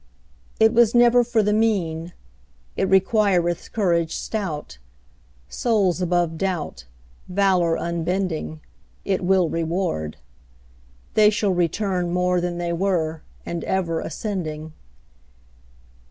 It was never for the mean; It requireth courage stout. Souls above doubt, Valor unbending, It will reward, They shall return More than they were, And ever ascending.